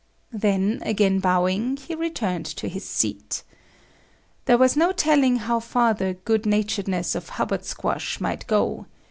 Then again bowing, he returned to his seat. There was no telling how far the "good naturedness" of Hubbard Squash might go.